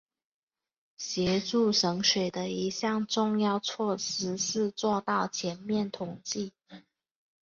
协助省水的一项重要措施是做到全面统计。